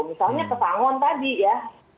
misalnya pesangon tadi ya